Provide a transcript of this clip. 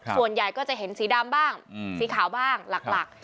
ส่วนใหญ่ก็จะเห็นสีดำบ้างสีขาวบ้างหลัก